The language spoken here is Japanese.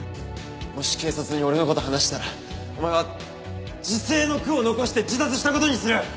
もし警察に俺の事話したらお前は辞世の句を残して自殺した事にする！